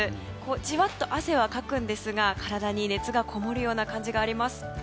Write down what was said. じわっと汗はかくんですが体に熱がこもるような感じがあります。